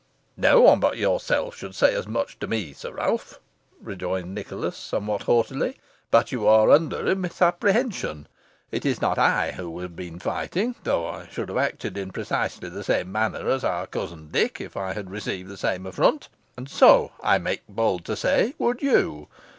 "No one but yourself should say as much to me, Sir Ralph," rejoined Nicholas somewhat haughtily; "but you are under a misapprehension. It is not I who have been fighting, though I should have acted in precisely the same manner as our cousin Dick, if I had received the same affront, and so I make bold to say would you.